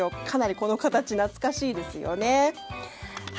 かなりこの形、懐かしいですよね。